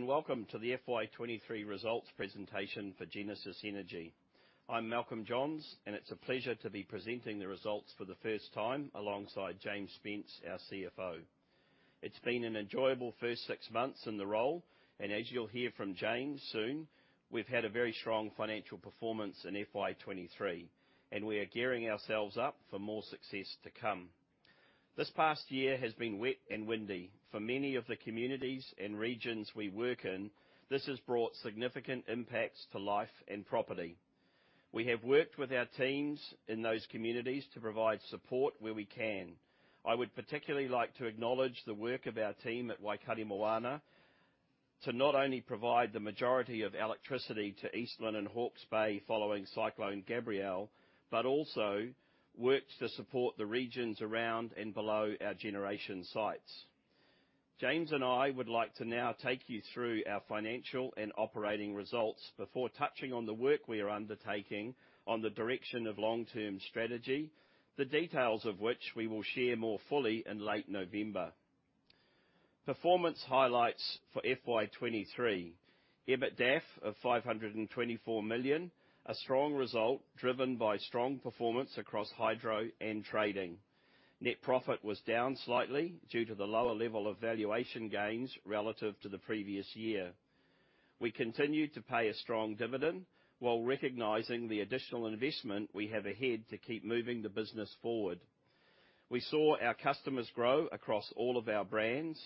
Kia ora, welcome to the FY23 results presentation for Genesis Energy. I'm Malcolm Johns, it's a pleasure to be presenting the results for the first time alongside James Spence, our CFO. It's been an enjoyable first six months in the role, as you'll hear from James soon, we've had a very strong financial performance in FY23, we are gearing ourselves up for more success to come. This past year has been wet and windy. For many of the communities and regions we work in, this has brought significant impacts to life and property. We have worked with our teams in those communities to provide support where we can. I would particularly like to acknowledge the work of our team at Waikaremoana to not only provide the majority of electricity to Eastland and Hawke's Bay following Cyclone Gabrielle, but also worked to support the regions around and below our generation sites. James and I would like to now take you through our financial and operating results before touching on the work we are undertaking on the direction of long-term strategy, the details of which we will share more fully in late November. Performance highlights for FY23. EBITDAF of 524 million, a strong result, driven by strong performance across hydro and trading. Net profit was down slightly due to the lower level of valuation gains relative to the previous year. We continued to pay a strong dividend while recognizing the additional investment we have ahead to keep moving the business forward. We saw our customers grow across all of our brands.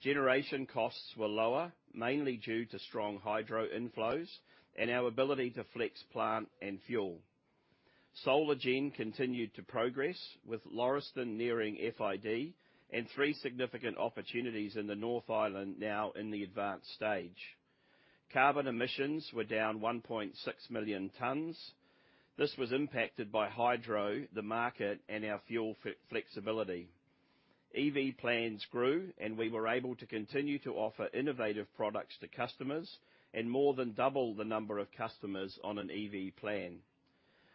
Generation costs were lower, mainly due to strong hydro inflows and our ability to flex plant and fuel. Solar gen continued to progress, with Lauriston nearing FID and three significant opportunities in the North Island now in the advanced stage. Carbon emissions were down 1.6 million tons. This was impacted by hydro, the market, and our fuel flexibility. EV plans grew, and we were able to continue to offer innovative products to customers and more than double the number of customers on an EV plan.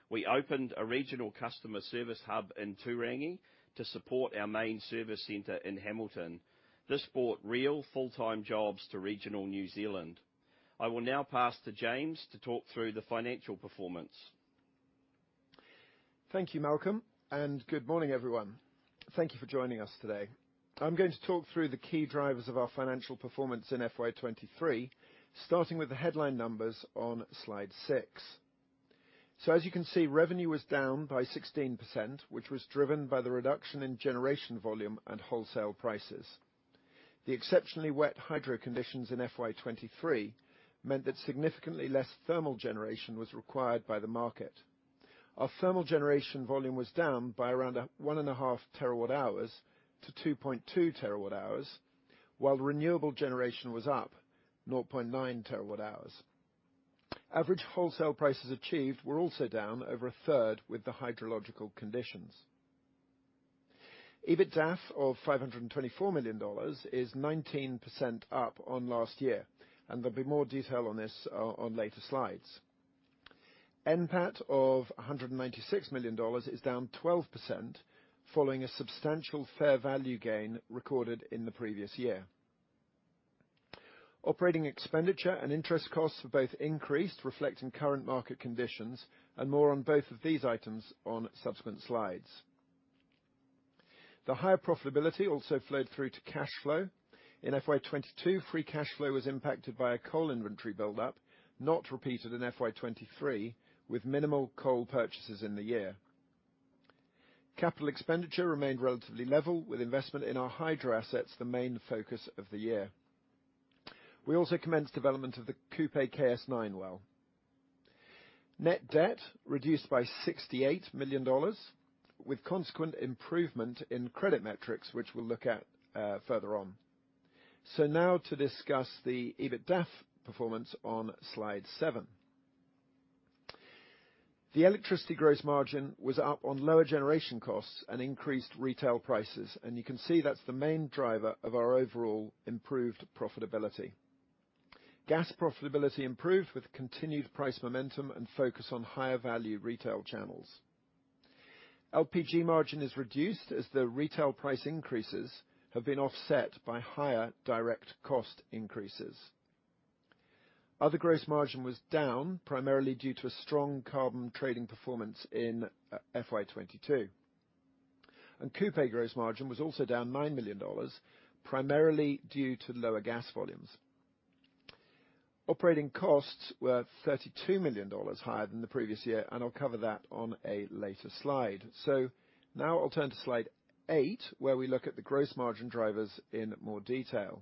We opened a regional customer service hub in Turangi to support our main service center in Hamilton. This brought real full-time jobs to regional New Zealand. I will now pass to James to talk through the financial performance. Thank you, Malcolm, good morning, everyone. Thank you for joining us today. I'm going to talk through the key drivers of our financial performance in FY23, starting with the headline numbers on slide 6. As you can see, revenue was down by 16%, which was driven by the reduction in generation volume and wholesale prices. The exceptionally wet hydro conditions in FY23 meant that significantly less thermal generation was required by the market. Our thermal generation volume was down by around 1.5 terawatt hours to 2.2 terawatt hours, while renewable generation was up 0.9 terawatt hours. Average wholesale prices achieved were also down over a third with the hydrological conditions. EBITDAF of 524 million dollars is 19% up on last year. There'll be more detail on this on later slides. NPAT of 196 million dollars is down 12%, following a substantial fair value gain recorded in the previous year. Operating expenditure and interest costs have both increased, reflecting current market conditions, and more on both of these items on subsequent slides. The higher profitability also flowed through to cash flow. In FY22, free cash flow was impacted by a coal inventory buildup, not repeated in FY23, with minimal coal purchases in the year. Capital expenditure remained relatively level, with investment in our hydro assets the main focus of the year. We also commenced development of the Kupe KS9 well. Net debt reduced by 68 million dollars, with consequent improvement in credit metrics, which we'll look at further on. Now to discuss the EBITDAF performance on slide 7. The electricity gross margin was up on lower generation costs and increased retail prices, and you can see that's the main driver of our overall improved profitability. Gas profitability improved with continued price momentum and focus on higher value retail channels. LPG margin is reduced, as the retail price increases have been offset by higher direct cost increases. Other gross margin was down, primarily due to a strong carbon trading performance in FY 2022. Kupe gross margin was also down 9 million dollars, primarily due to lower gas volumes. Operating costs were 32 million dollars higher than the previous year, and I'll cover that on a later slide. Now I'll turn to slide 8, where we look at the gross margin drivers in more detail.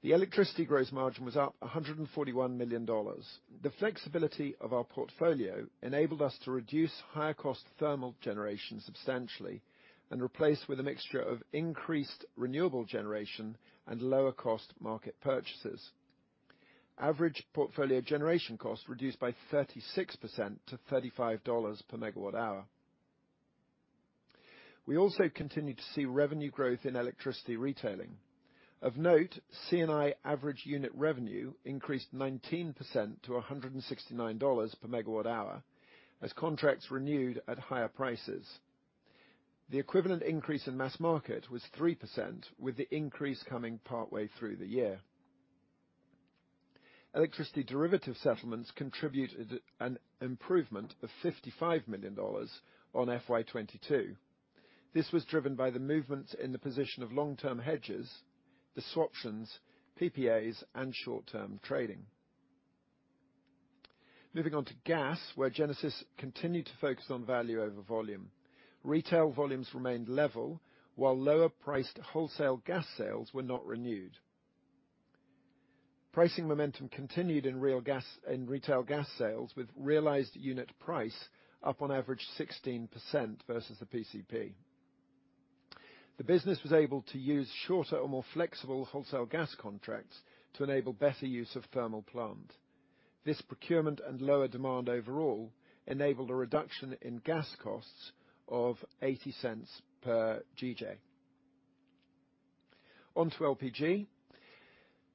The electricity gross margin was up 141 million dollars. The flexibility of our portfolio enabled us to reduce higher cost thermal generation substantially and replace with a mixture of increased renewable generation and lower cost market purchases. Average portfolio generation costs reduced by 36% to 35 dollars per megawatt hour. We also continued to see revenue growth in electricity retailing. Of note, C&I average unit revenue increased 19% to 169 dollars per megawatt hour as contracts renewed at higher prices. The equivalent increase in mass market was 3%, with the increase coming partway through the year. Electricity derivative settlements contributed an improvement of 55 million dollars on FY22. This was driven by the movement in the position of long-term hedges, the swaptions, PPAs, and short-term trading. Moving on to gas, where Genesis continued to focus on value over volume. Retail volumes remained level, while lower-priced wholesale gas sales were not renewed. Pricing momentum continued in retail gas sales, with realized unit price up on average 16% versus the PCP. The business was able to use shorter or more flexible wholesale gas contracts to enable better use of thermal plant. This procurement and lower demand overall enabled a reduction in gas costs of 0.80 per GJ. On to LPG.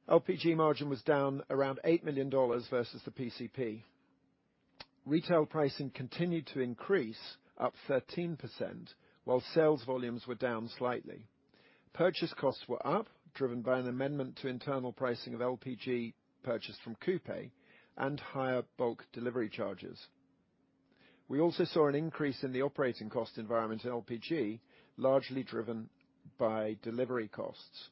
LPG margin was down around 8 million dollars versus the PCP. Retail pricing continued to increase, up 13%, while sales volumes were down slightly. Purchase costs were up, driven by an amendment to internal pricing of LPG purchased from Kupe and higher bulk delivery charges. We also saw an increase in the operating cost environment in LPG, largely driven by delivery costs.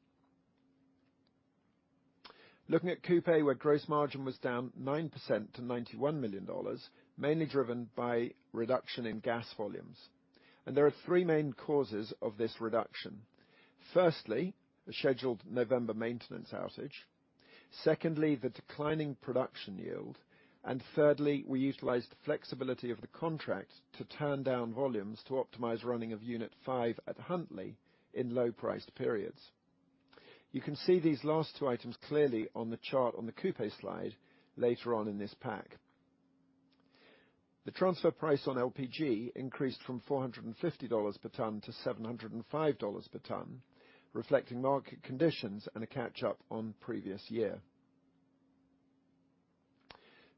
Looking at Kupe, where gross margin was down 9% to 91 million dollars, mainly driven by reduction in gas volumes. There are 3 main causes of this reduction. Firstly, the scheduled November maintenance outage. Secondly, the declining production yield. Thirdly, we utilized the flexibility of the contract to turn down volumes to optimize running of Unit 5 at Huntly in low-priced periods. You can see these last two items clearly on the chart on the Kupe slide later on in this pack. The transfer price on LPG increased from 450 dollars per tonne to 705 dollars per tonne, reflecting market conditions and a catch-up on previous year.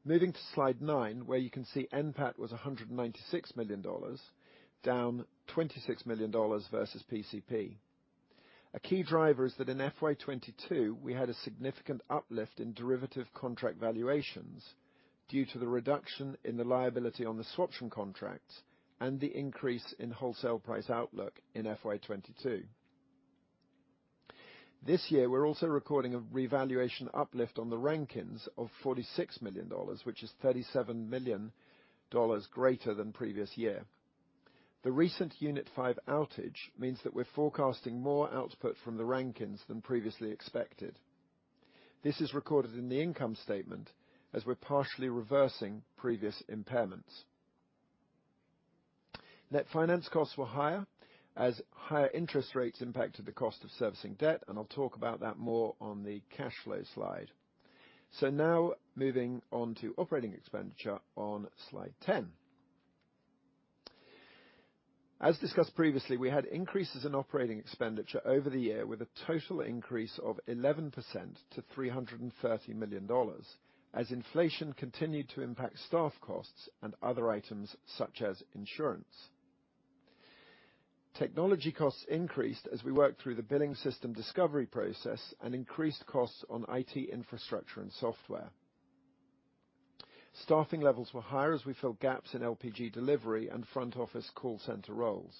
Moving to slide 9, where you can see NPAT was 196 million dollars, down 26 million dollars versus PCP. A key driver is that in FY22, we had a significant uplift in derivative contract valuations due to the reduction in the liability on the swaption contract and the increase in wholesale price outlook in FY22. This year, we're also recording a revaluation uplift on the Rankins of 46 million dollars, which is 37 million dollars greater than previous year. The recent Unit 5 outage means that we're forecasting more output from the Rankins than previously expected. This is recorded in the income statement as we're partially reversing previous impairments. Net finance costs were higher, as higher interest rates impacted the cost of servicing debt, and I'll talk about that more on the cash flow slide. Now moving on to operating expenditure on slide 10. As discussed previously, we had increases in operating expenditure over the year, with a total increase of 11% to 330 million dollars, as inflation continued to impact staff costs and other items such as insurance. Technology costs increased as we worked through the billing system discovery process and increased costs on IT infrastructure and software. Staffing levels were higher as we filled gaps in LPG delivery and front office call center roles.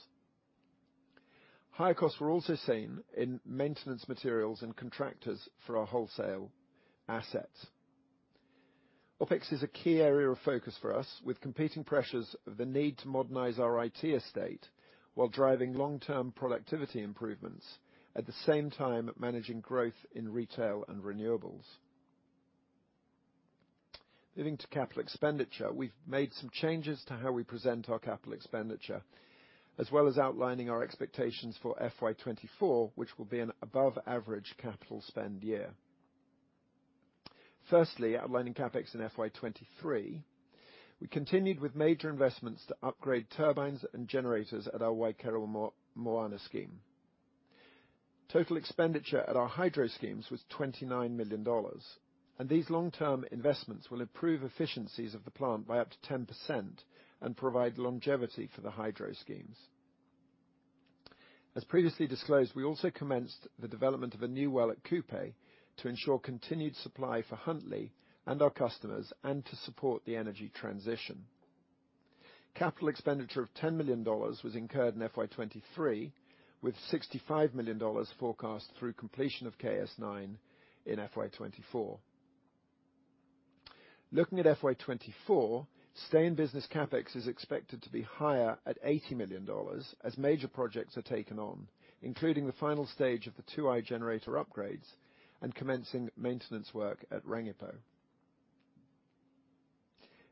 Higher costs were also seen in maintenance materials and contractors for our wholesale assets. OpEx is a key area of focus for us, with competing pressures of the need to modernize our IT estate while driving long-term productivity improvements, at the same time, managing growth in retail and renewables. Moving to capital expenditure. We've made some changes to how we present our capital expenditure, as well as outlining our expectations for FY2024, which will be an above-average capital spend year. Firstly, outlining CapEx in FY2023, we continued with major investments to upgrade turbines and generators at our Waikaremoana Power Scheme. Total expenditure at our hydro schemes was 29 million dollars, and these long-term investments will improve efficiencies of the plant by up to 10% and provide longevity for the hydro schemes. As previously disclosed, we also commenced the development of a new well at Kupe to ensure continued supply for Huntly and our customers, and to support the energy transition. Capital expenditure of 10 million dollars was incurred in FY2023, with 65 million dollars forecast through completion of KS9 in FY2024. Looking at FY24, stay in business CapEx is expected to be higher at 80 million dollars, as major projects are taken on, including the final stage of the Tuai generator upgrades and commencing maintenance work at Rangipo.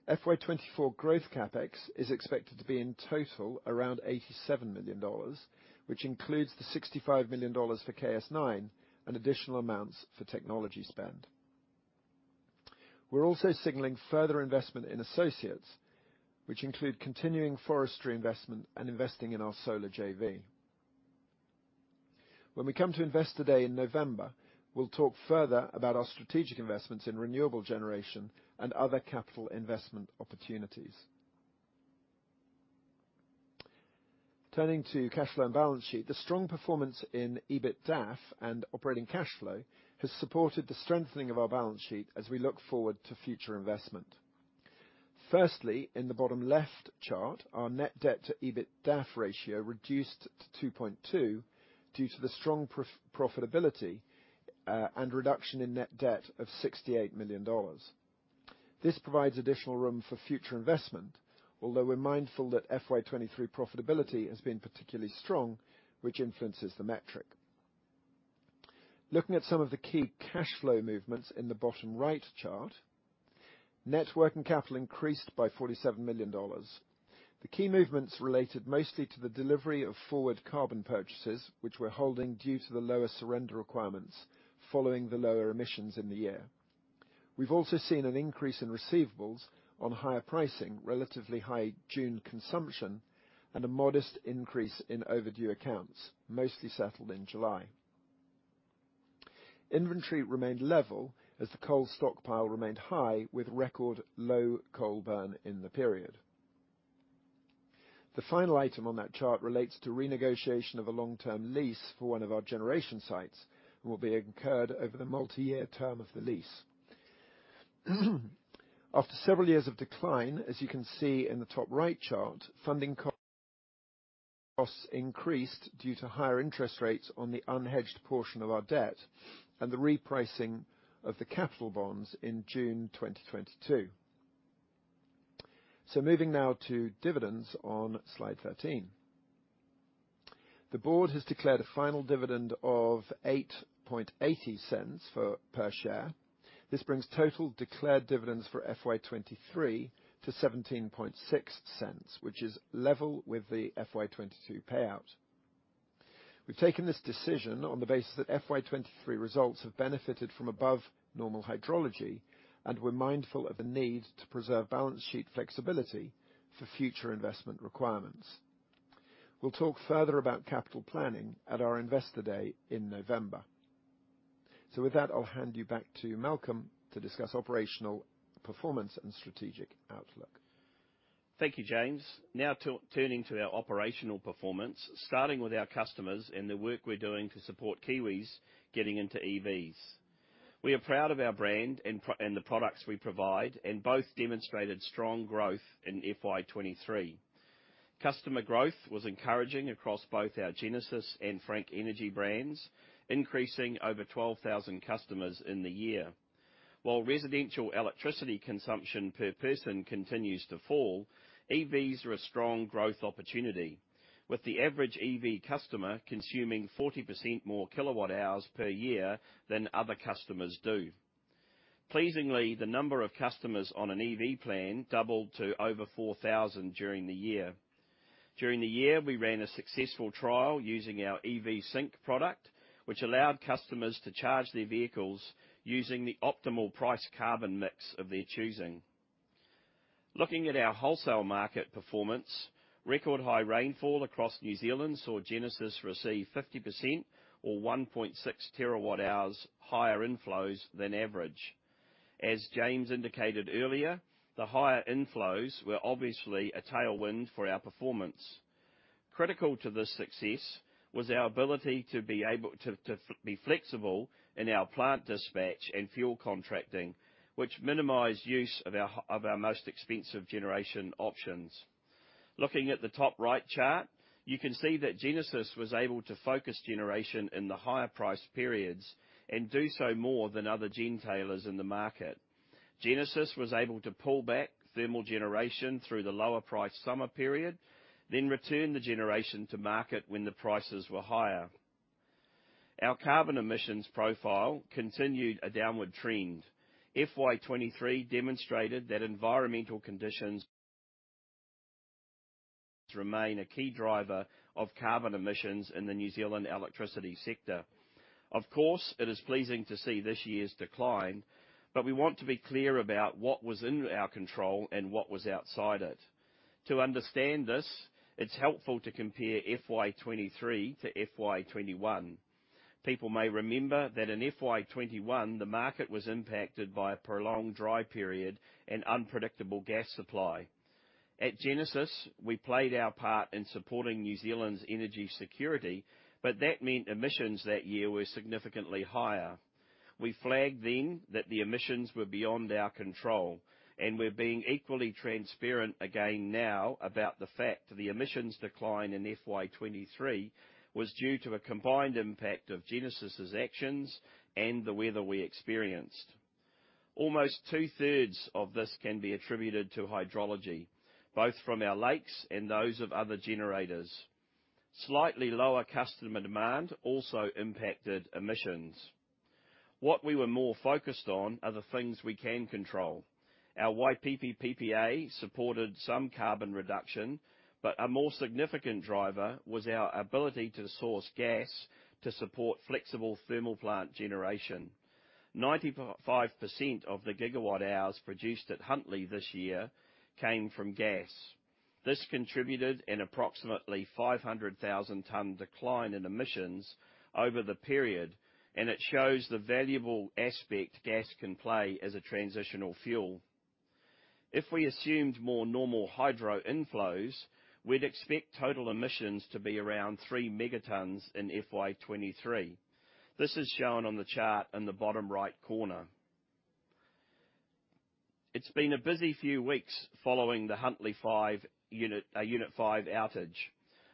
FY24 growth CapEx is expected to be in total around 87 million dollars, which includes the 65 million dollars for KS9 and additional amounts for technology spend. We're also signaling further investment in associates, which include continuing forestry investment and investing in our solar JV.... When we come to Investor Day in November, we'll talk further about our strategic investments in renewable generation and other capital investment opportunities. Turning to cash flow and balance sheet, the strong performance in EBITDAF and operating cash flow has supported the strengthening of our balance sheet as we look forward to future investment. Firstly, in the bottom left chart, our net debt to EBITDAF ratio reduced to 2.2 due to the strong profitability and reduction in net debt of 68 million dollars. This provides additional room for future investment, although we're mindful that FY23 profitability has been particularly strong, which influences the metric. Looking at some of the key cash flow movements in the bottom right chart, net working capital increased by 47 million dollars. The key movements related mostly to the delivery of forward carbon purchases, which we're holding due to the lower surrender requirements following the lower emissions in the year. We've also seen an increase in receivables on higher pricing, relatively high June consumption, and a modest increase in overdue accounts, mostly settled in July. Inventory remained level as the coal stockpile remained high, with record low coal burn in the period. The final item on that chart relates to renegotiation of a long-term lease for 1 of our generation sites and will be incurred over the multiyear term of the lease. After several years of decline, as you can see in the top right chart, funding costs increased due to higher interest rates on the unhedged portion of our debt and the repricing of the capital bonds in June 2022. Moving now to dividends on Slide 13. The board has declared a final dividend of 0.088 per share. This brings total declared dividends for FY23 to 0.176, which is level with the FY22 payout. We've taken this decision on the basis that FY23 results have benefited from above normal hydrology, and we're mindful of the need to preserve balance sheet flexibility for future investment requirements. We'll talk further about capital planning at our Investor Day in November. With that, I'll hand you back to Malcolm to discuss operational performance and strategic outlook. Thank you, James. Turning to our operational performance, starting with our customers and the work we're doing to support Kiwis getting into EVs. We are proud of our brand and the products we provide. Both demonstrated strong growth in FY23. Customer growth was encouraging across both our Genesis and Frank Energy brands, increasing over 12,000 customers in the year. While residential electricity consumption per person continues to fall, EVs are a strong growth opportunity, with the average EV customer consuming 40% more kWh per year than other customers do. Pleasingly, the number of customers on an EV plan doubled to over 4,000 during the year. During the year, we ran a successful trial using our EV Sync product, which allowed customers to charge their vehicles using the optimal price carbon mix of their choosing. Looking at our wholesale market performance, record high rainfall across New Zealand saw Genesis receive 50% or 1.6 terawatt hours higher inflows than average. As James indicated earlier, the higher inflows were obviously a tailwind for our performance. Critical to this success was our ability to be able to be flexible in our plant dispatch and fuel contracting, which minimized use of our most expensive generation options. Looking at the top right chart, you can see that Genesis was able to focus generation in the higher price periods and do so more than other gentailers in the market. Genesis was able to pull back thermal generation through the lower priced summer period, return the generation to market when the prices were higher. Our carbon emissions profile continued a downward trend. FY23 demonstrated that environmental conditions remain a key driver of carbon emissions in the New Zealand electricity sector. Of course, it is pleasing to see this year's decline, but we want to be clear about what was in our control and what was outside it. To understand this, it's helpful to compare FY23 to FY21. People may remember that in FY21, the market was impacted by a prolonged dry period and unpredictable gas supply. At Genesis, we played our part in supporting New Zealand's energy security, but that meant emissions that year were significantly higher. We flagged then that the emissions were beyond our control, and we're being equally transparent again now about the fact the emissions decline in FY23 was due to a combined impact of Genesis' actions and the weather we experienced. Almost two-thirds of this can be attributed to hydrology, both from our lakes and those of other generators. Slightly lower customer demand also impacted emissions. What we were more focused on are the things we can control. Our Waipipi PPA supported some carbon reduction, a more significant driver was our ability to source gas to support flexible thermal plant generation. 95% of the gigawatt hours produced at Huntly this year came from gas. This contributed an approximately 500,000 ton decline in emissions over the period, it shows the valuable aspect gas can play as a transitional fuel. If we assumed more normal hydro inflows, we'd expect total emissions to be around 3 megatons in FY23. This is shown on the chart in the bottom right corner. It's been a busy few weeks following the Huntly Five unit, Unit 5 outage.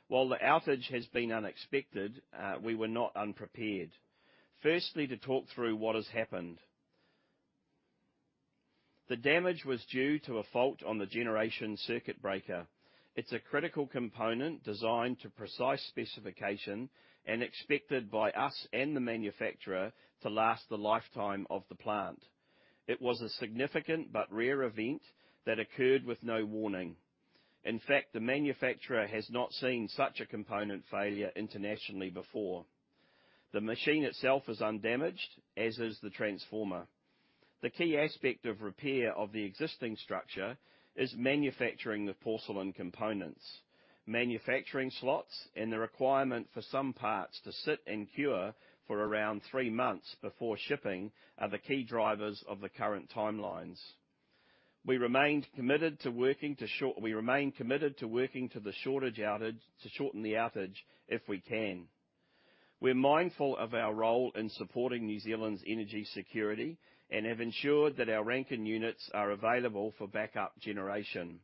While the outage has been unexpected, we were not unprepared. Firstly, to talk through what has happened. The damage was due to a fault on the generation circuit breaker. It's a critical component designed to precise specification and expected by us and the manufacturer to last the lifetime of the plant. It was a significant but rare event that occurred with no warning. In fact, the manufacturer has not seen such a component failure internationally before. The machine itself is undamaged, as is the transformer. The key aspect of repair of the existing structure is manufacturing the porcelain components. Manufacturing slots and the requirement for some parts to sit and cure for around 3 months before shipping, are the key drivers of the current timelines. We remain committed to working to the shortage outage, to shorten the outage if we can. We're mindful of our role in supporting New Zealand's energy security and have ensured that our Rankine units are available for backup generation.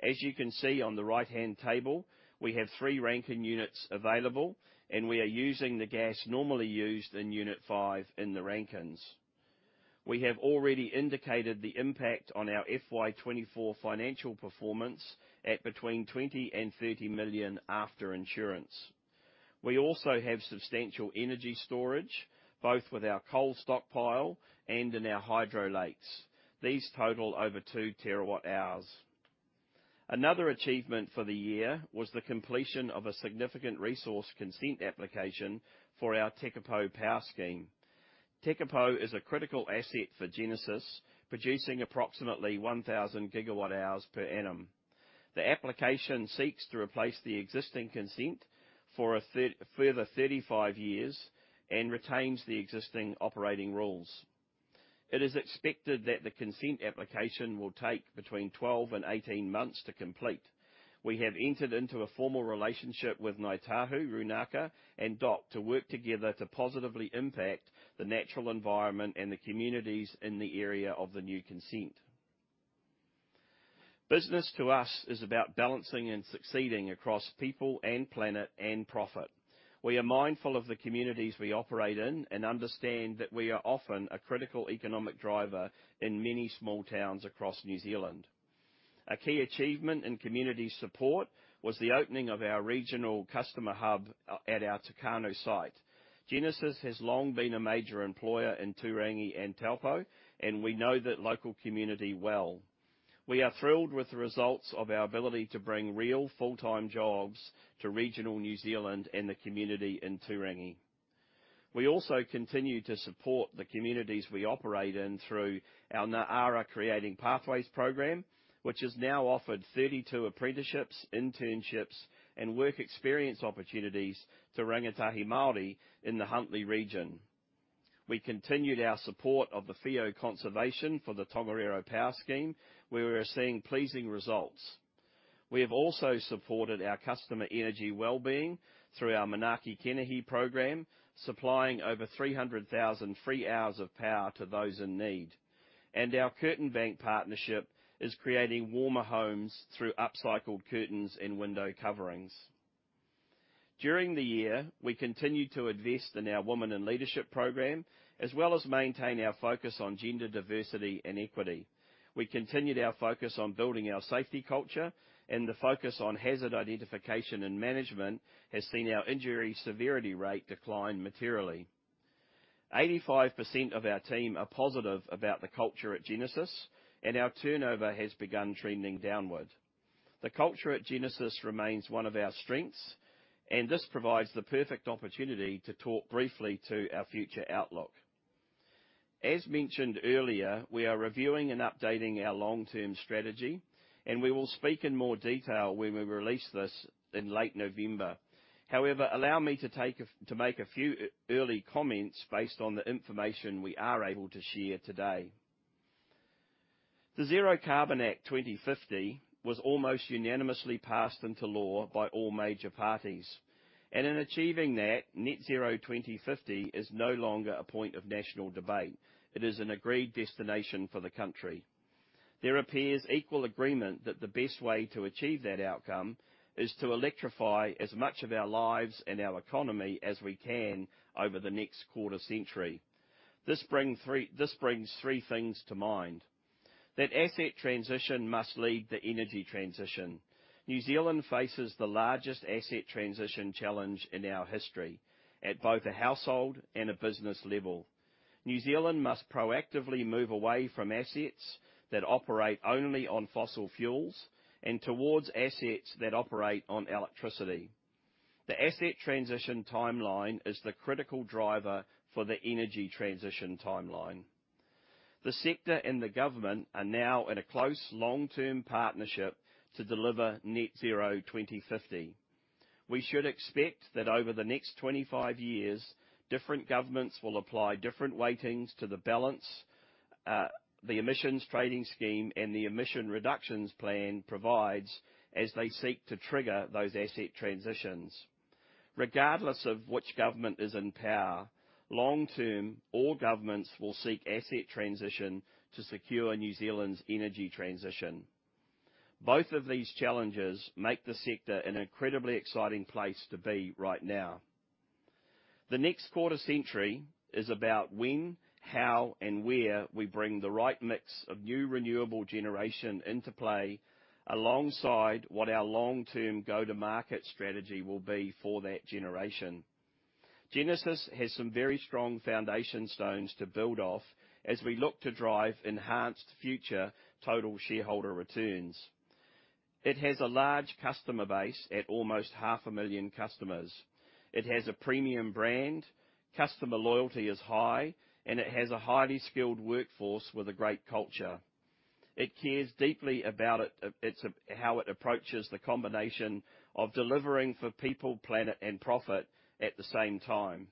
As you can see on the right-hand table, we have three Rankine units available, and we are using the gas normally used in Unit 5 in the Rankines. We have already indicated the impact on our FY24 financial performance at between 20 million and 30 million after insurance. We also have substantial energy storage, both with our coal stockpile and in our hydro lakes. These total over two terawatt-hours. Another achievement for the year was the completion of a significant resource consent application for our Tekapo power scheme. Tekapo is a critical asset for Genesis, producing approximately 1,000 gigawatt-hours per annum. The application seeks to replace the existing consent for a further 35 years and retains the existing operating rules. It is expected that the consent application will take between 12 and 18 months to complete. We have entered into a formal relationship with Ngāi Tahu, Rūnaka, and DOC to work together to positively impact the natural environment and the communities in the area of the new consent. Business to us is about balancing and succeeding across people and planet and profit. We are mindful of the communities we operate in and understand that we are often a critical economic driver in many small towns across New Zealand. A key achievement in community support was the opening of our regional customer hub at our Tekapo site. Genesis has long been a major employer in Turangi and Taupō, and we know the local community well. We are thrilled with the results of our ability to bring real, full-time jobs to regional New Zealand and the community in Turangi. We also continue to support the communities we operate in through our Ngā Ara Creating Pathways program, which has now offered 32 apprenticeships, internships, and work experience opportunities to Rangatahi Māori in the Huntly region. We continued our support of the Whio Forever for the Tongariro Power Scheme, where we are seeing pleasing results. We have also supported our customer energy well-being through our Manaaki Kenehi program, supplying over 300,000 free hours of power to those in need. Our Curtain Bank partnership is creating warmer homes through upcycled curtains and window coverings. During the year, we continued to invest in our Women in Leadership program, as well as maintain our focus on gender diversity and equity. We continued our focus on building our safety culture, and the focus on hazard identification and management has seen our injury severity rate decline materially. 85% of our team are positive about the culture at Genesis, and our turnover has begun trending downward. The culture at Genesis remains one of our strengths, and this provides the perfect opportunity to talk briefly to our future outlook. As mentioned earlier, we are reviewing and updating our long-term strategy, and we will speak in more detail when we release this in late November. However, allow me to take a, to make a few early comments based on the information we are able to share today. The Zero Carbon Act 2050 was almost unanimously passed into law by all major parties. In achieving that, Net Zero by 2050 is no longer a point of national debate; it is an agreed destination for the country. There appears equal agreement that the best way to achieve that outcome is to electrify as much of our lives and our economy as we can over the next quarter century. This brings three things to mind: That asset transition must lead the energy transition. New Zealand faces the largest asset transition challenge in our history, at both a household and a business level. New Zealand must proactively move away from assets that operate only on fossil fuels and towards assets that operate on electricity. The asset transition timeline is the critical driver for the energy transition timeline. The sector and the government are now in a close long-term partnership to deliver Net Zero 2050. We should expect that over the next 25 years, different governments will apply different weightings to the balance, the Emissions Trading Scheme, and the Emissions Reduction Plan provides as they seek to trigger those asset transitions. Regardless of which government is in power, long term, all governments will seek asset transition to secure New Zealand's energy transition. Both of these challenges make the sector an incredibly exciting place to be right now. The next quarter century is about when, how, and where we bring the right mix of new renewable generation into play, alongside what our long-term go-to-market strategy will be for that generation. Genesis has some very strong foundation stones to build off as we look to drive enhanced future total shareholder returns. It has a large customer base at almost 500,000 customers. It has a premium brand, customer loyalty is high, and it has a highly skilled workforce with a great culture. It cares deeply about it, its, how it approaches the combination of delivering for people, planet, and profit at the same time.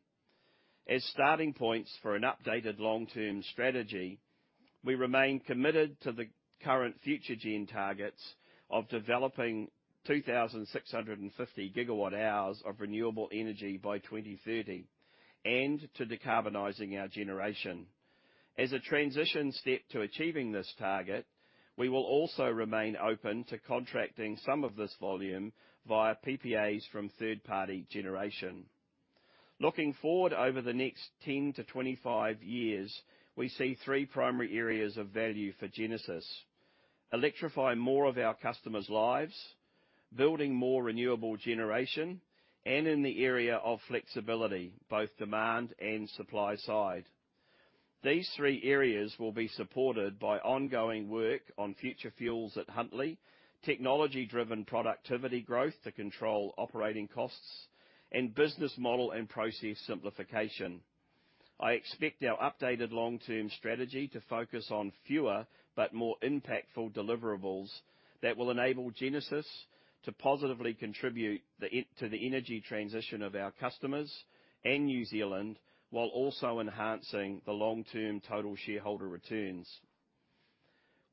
As starting points for an updated long-term strategy, we remain committed to the current Future-gen targets of developing 2,650 gigawatt hours of renewable energy by 2030, and to decarbonizing our generation. As a transition step to achieving this target, we will also remain open to contracting some of this volume via PPAs from third-party generation. Looking forward over the next 10-25 years, we see three primary areas of value for Genesis: electrifying more of our customers' lives, building more renewable generation, and in the area of flexibility, both demand and supply side. These three areas will be supported by ongoing work on future fuels at Huntly, technology-driven productivity growth to control operating costs, and business model and process simplification. I expect our updated long-term strategy to focus on fewer, but more impactful deliverables, that will enable Genesis to positively contribute to the energy transition of our customers and New Zealand, while also enhancing the long-term total shareholder returns.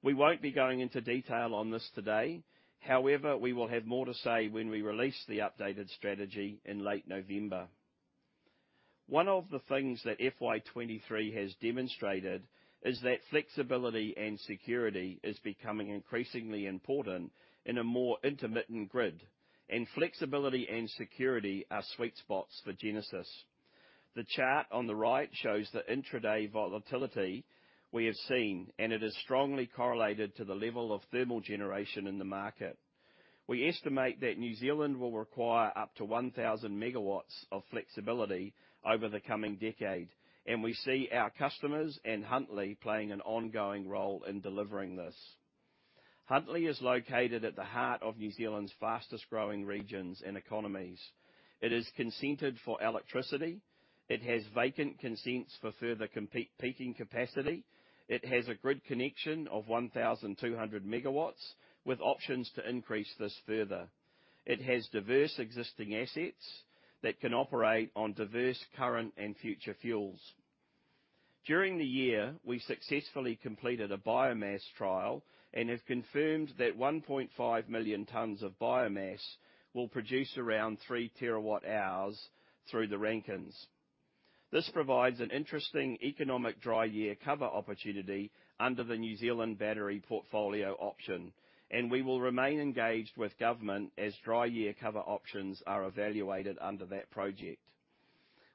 We won't be going into detail on this today, however, we will have more to say when we release the updated strategy in late November. One of the things that FY23 has demonstrated, is that flexibility and security is becoming increasingly important in a more intermittent grid, and flexibility and security are sweet spots for Genesis. The chart on the right shows the intraday volatility we have seen. It is strongly correlated to the level of thermal generation in the market. We estimate that New Zealand will require up to 1,000 megawatts of flexibility over the coming decade. We see our customers and Huntly playing an ongoing role in delivering this. Huntly is located at the heart of New Zealand's fastest-growing regions and economies. It is consented for electricity, it has vacant consents for further peaking capacity. It has a grid connection of 1,200 megawatts, with options to increase this further. It has diverse existing assets that can operate on diverse current and future fuels. During the year, we successfully completed a biomass trial and have confirmed that 1.5 million tons of biomass will produce around 3 terawatt hours through the Rankines. This provides an interesting economic dry year cover opportunity under the New Zealand Battery portfolio option. We will remain engaged with government as dry year cover options are evaluated under that project.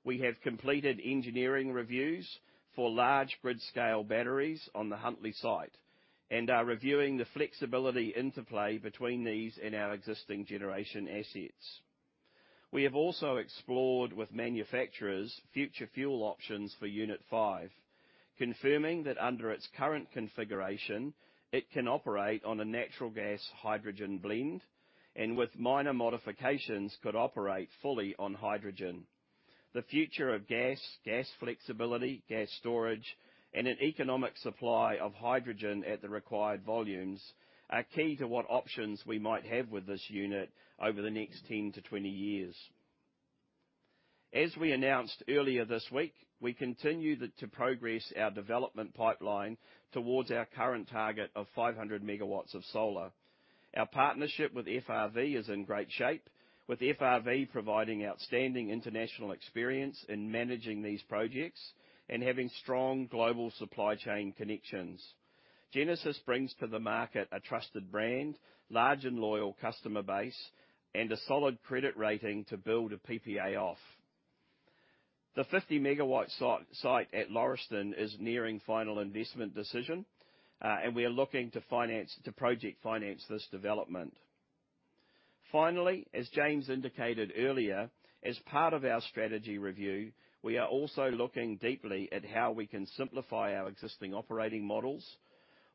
We have completed engineering reviews for large grid-scale batteries on the Huntly site and are reviewing the flexibility interplay between these and our existing generation assets. We have also explored with manufacturers, future fuel options for Unit 5, confirming that under its current configuration, it can operate on a natural gas hydrogen blend, and with minor modifications, could operate fully on hydrogen. The future of gas, gas flexibility, gas storage, and an economic supply of hydrogen at the required volumes, are key to what options we might have with this unit over the next 10-20 years. As we announced earlier this week, we continue to progress our development pipeline towards our current target of 500 megawatts of solar. Our partnership with FRV is in great shape, with FRV providing outstanding international experience in managing these projects and having strong global supply chain connections. Genesis brings to the market a trusted brand, large and loyal customer base, and a solid credit rating to build a PPA off. The 50-megawatt site at Lauriston is nearing final investment decision, and we are looking to project finance this development. Finally, as James indicated earlier, as part of our strategy review, we are also looking deeply at how we can simplify our existing operating models.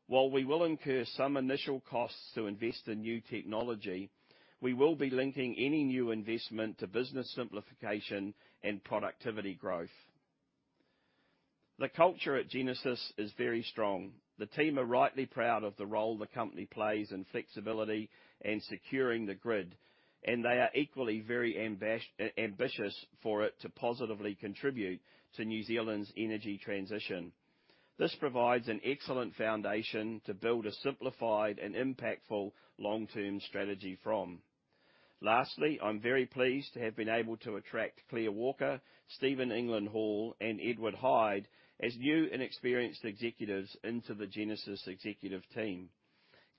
While we will incur some initial costs to invest in new technology, we will be linking any new investment to business simplification and productivity growth. The culture at Genesis is very strong. The team are rightly proud of the role the company plays in flexibility and securing the grid, and they are equally very ambitious for it to positively contribute to New Zealand's energy transition. This provides an excellent foundation to build a simplified and impactful long-term strategy from. Lastly, I'm very pleased to have been able to attract Claire Walker, Stephen England-Hall, and Ed Hyde as new and experienced executives into the Genesis executive team.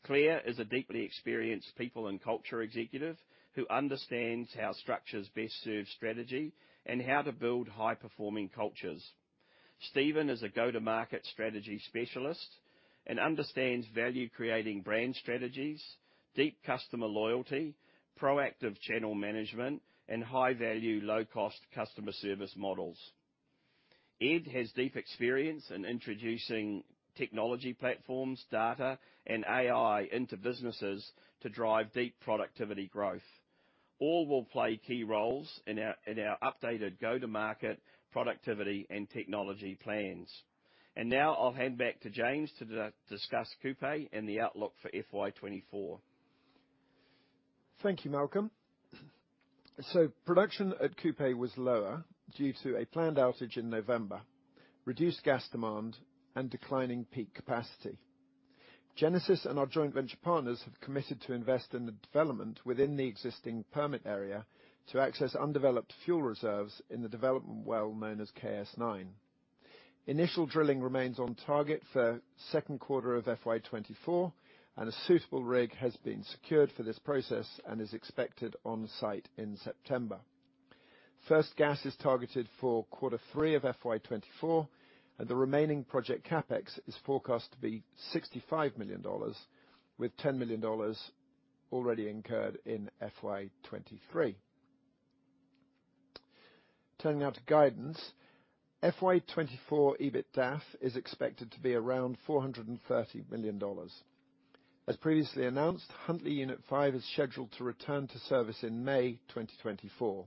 Claire is a deeply experienced people and culture executive, who understands how structures best serve strategy and how to build high-performing cultures. Stephen is a go-to-market strategy specialist and understands value-creating brand strategies, deep customer loyalty, proactive channel management, and high-value, low-cost customer service models. Ed has deep experience in introducing technology platforms, data, and AI into businesses to drive deep productivity growth. All will play key roles in our, in our updated go-to-market productivity and technology plans. Now I'll hand back to James to discuss Kupe and the outlook for FY24. Thank you, Malcolm. Production at Kupe was lower due to a planned outage in November, reduced gas demand, and declining peak capacity. Genesis and our joint venture partners have committed to invest in the development within the existing permit area to access undeveloped fuel reserves in the development well known as KS-9. Initial drilling remains on target for 2nd quarter of FY24, and a suitable rig has been secured for this process and is expected on site in September. First gas is targeted for Q3 of FY24, and the remaining project CapEx is forecast to be 65 million dollars, with 10 million dollars already incurred in FY23. Turning now to guidance. FY24 EBITDAF is expected to be around 430 million dollars. As previously announced, Huntly Unit 5 is scheduled to return to service in May 2024.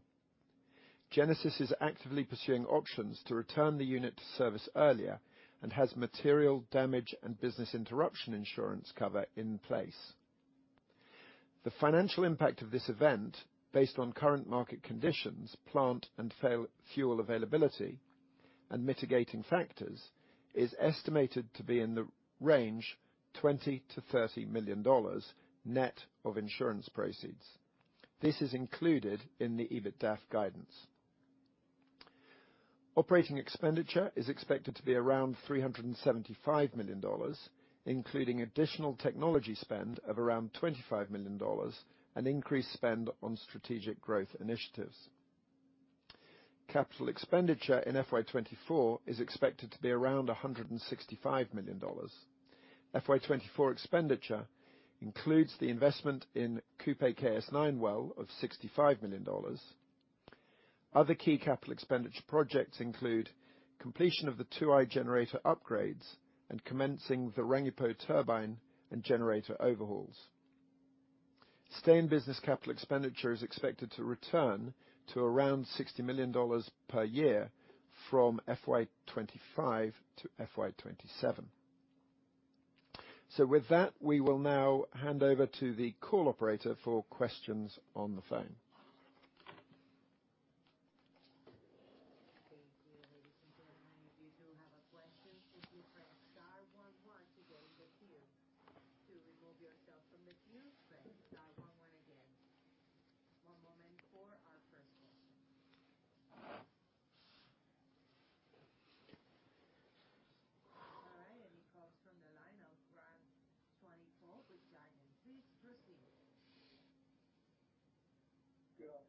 Genesis is actively pursuing options to return the unit to service earlier and has material damage and business interruption insurance cover in place. The financial impact of this event, based on current market conditions, plant and fuel availability, and mitigating factors, is estimated to be in the range 20 million-30 million dollars net of insurance proceeds. This is included in the EBITDAF guidance. Operating expenditure is expected to be around 375 million dollars, including additional technology spend of around 25 million dollars and increased spend on strategic growth initiatives. Capital expenditure in FY24 is expected to be around 165 million dollars. FY24 expenditure includes the investment in Kupe KS-9 well of 65 million dollars. Other key Capital expenditure projects include completion of the Tuai generator upgrades and commencing the Rangipo turbine and generator overhauls. Stay in business capital expenditure is expected to return to around 60 million dollars per year from FY25 to FY27. With that, we will now hand over to the call operator for questions on the phone.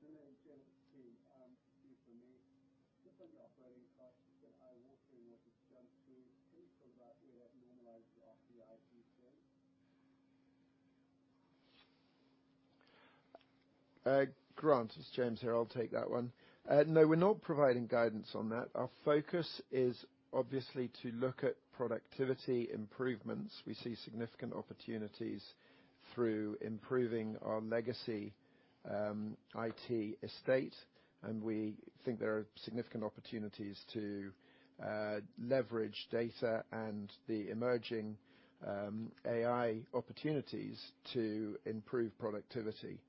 Thank you, ladies and gentlemen. If you do have a question, please press star 11 to join the queue. To remove yourself from the queue, press star 11 again. One moment for our first question. All right, it comes from the line of Grant Swanepoel with Jarden. Please proceed. Good afternoon, James team. Thank you for me. Just on the operating costs, that eye-watering was a jump to. Can you provide a normalized OpEx spend? Grant, it's James here. I'll take that one. No, we're not providing guidance on that. Our focus is obviously to look at productivity improvements. We see significant opportunities through improving our legacy, IT estate, and we think there are significant opportunities to leverage data and the emerging AI opportunities to improve productivity.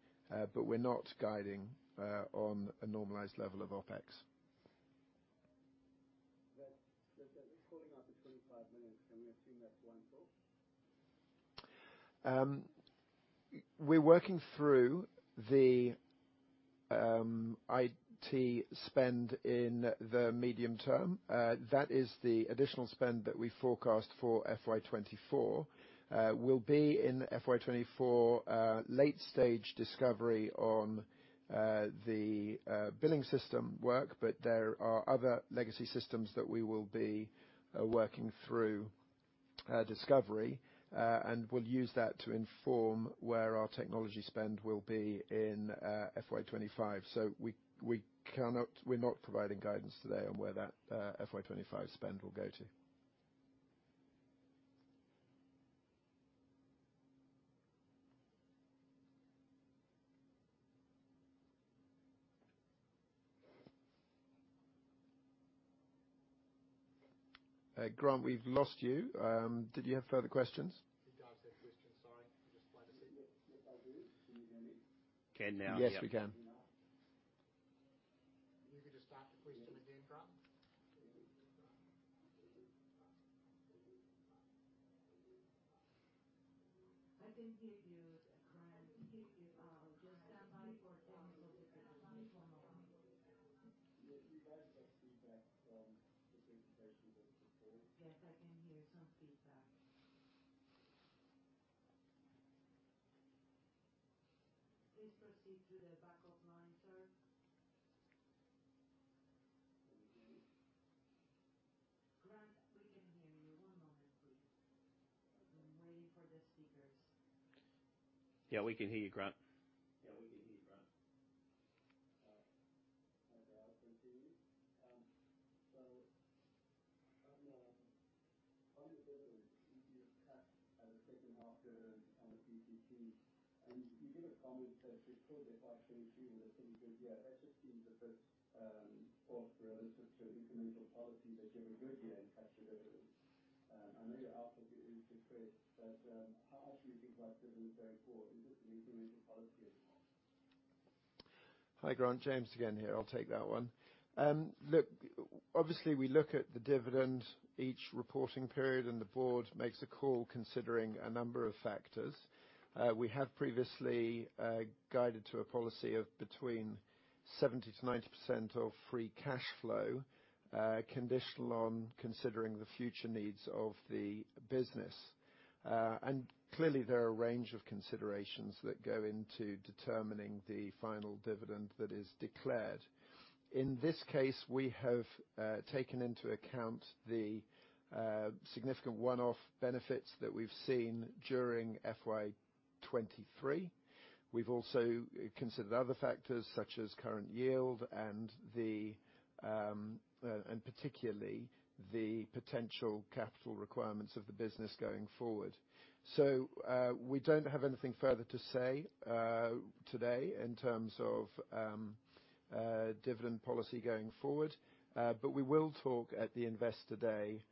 We're not guiding on a normalized level of OpEx. That's calling out to NZD 25 million. Can we assume that's 1 thought? We're working through the IT spend in the medium term. That is the additional spend that we forecast for FY24. We'll be in FY24, late stage discovery on the billing system work, but there are other legacy systems that we will be working through discovery. We'll use that to inform where our technology spend will be in FY25. We, we cannot, we're not providing guidance today on where that FY25 spend will go to. Grant, we've lost you. Did you have further questions? He does have questions, sorry. Just wait a second. Can you hear me? Can now, yeah. Yes, we can. You can just start the question again, Grant. I think he is, Grant. Just stand by for a little bit. One moment. Yes, we got some feedback from this invitation before. Yes, I can hear some feedback. Please proceed to the backup line, sir. Grant, we can hear you. One moment, please. I'm waiting for the speakers. Yeah, we can hear you, Grant. Yeah, we can hear you, Grant. Okay, I'll continue. How do you deliver your cut, the second half the year on the DPS? You gave a comment that before the FY23, and I think that, yeah, that just seems the first thought relative to incremental policy that you ever gave here in captured evidence. I know you asked it in Chris, but how else do you think about dividend going forward? Is this an incremental policy anymore? Hi, Grant, James again here. I'll take that one. Look, obviously, we look at the dividend each reporting period, and the board makes a call considering a number of factors. We have previously guided to a policy of between 70%-90% of free cash flow, conditional on considering the future needs of the business. Clearly, there are a range of considerations that go into determining the final dividend that is declared. In this case, we have taken into account the significant one-off benefits that we've seen during FY23. We've also considered other factors, such as current yield and the, and particularly the potential capital requirements of the business going forward. We don't have anything further to say today in terms of dividend policy going forward. We will talk at the Investor Day,